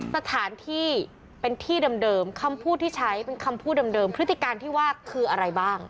สถานที่เป็นที่เดิมคำพูดที่ใช้เป็นคำพูดเดิมพฤติการที่ว่าคืออะไรบ้าง